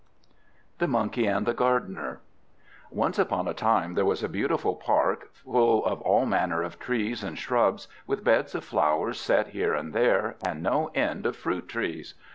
THE MONKEYS AND THE GARDENER Once upon a time there was a beautiful park, full of all manner of trees and shrubs, with beds of flowers set here and there, and no end of fruit trees.